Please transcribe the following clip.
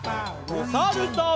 おさるさん。